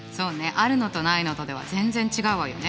あるのとないのとでは全然違うわよね。